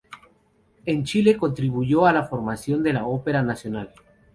En Chile contribuyó a la formación de la Ópera Nacional.